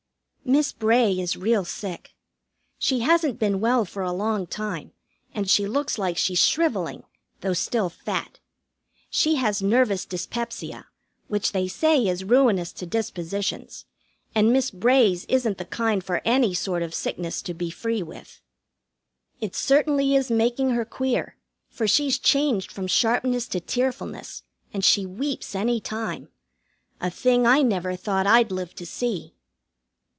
Miss Bray is real sick. She hasn't been well for a long time, and she looks like she's shrivelling, though still fat. She has nervous dyspepsia, which they say is ruinous to dispositions, and Miss Bray's isn't the kind for any sort of sickness to be free with. It certainly is making her queer, for she's changed from sharpness to tearfulness, and she weeps any time. A thing I never thought I'd live to see.